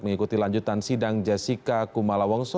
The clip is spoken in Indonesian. mengikuti lanjutan sidang jessica kumala wongso